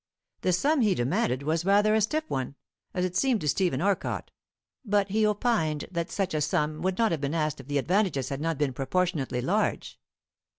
The sum he demanded was rather a stiff one, as it seemed to Stephen Orcott, but he opined that such a sum would not have been asked if the advantages had not been proportionately large.